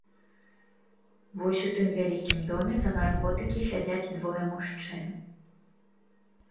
Вось у тым вялікім доме за наркотыкі сядзяць двое мужчын.